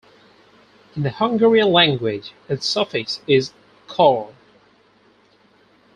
In the Hungarian language its suffix is "-kor".